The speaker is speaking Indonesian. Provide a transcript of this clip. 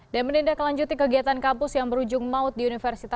dan menindaklanjuti kegiatan kampus yang berujung maut di universitas